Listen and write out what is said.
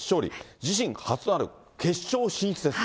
自身初となる決勝進出です。